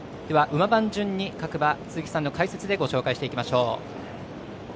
馬番順に各馬、鈴木さんの解説でご紹介していきましょう。